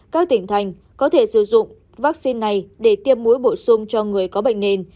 các tỉnh thành có thể sử dụng vaccine này để tiêm mũi bổ sung cho người có bệnh nền